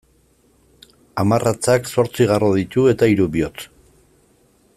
Hamarratzak zortzi garro ditu eta hiru bihotz.